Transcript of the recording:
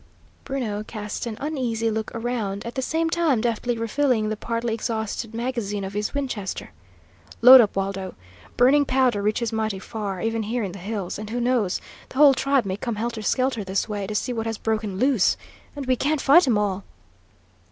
Bruno cast an uneasy look around, at the same time deftly refilling the partly exhausted magazine of his Winchester. "Load up, Waldo. Burning powder reaches mighty far, even here in the hills; and who knows, the whole tribe may come helter skelter this way, to see what has broken loose! And we can't fight 'em all!"